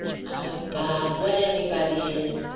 "Ah, bah! What anybody is?